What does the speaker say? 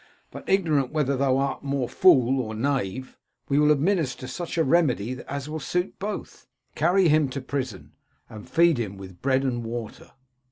But, ignorant whether thou art more fool or knave, we will administer such a remedy as will suit both. Carry him to prison, and feed him with bread and water.'